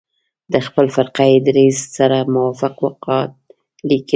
د خپل فرقه يي دریځ سره موافق واقعات لیکلي.